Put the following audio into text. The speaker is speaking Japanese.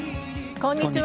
こんにちは。